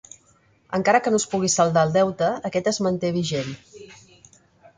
Encara que no es pugui saldar el deute, aquest es manté vigent.